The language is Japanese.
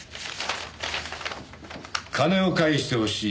「金を返して欲しい。